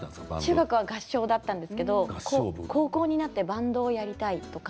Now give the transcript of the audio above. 中学は合唱だったんですけど高校になったらバンドをしたい。